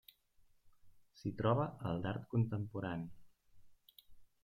S'hi troba el d'art contemporani.